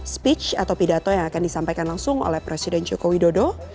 speech atau pidato yang akan disampaikan langsung oleh presiden joko widodo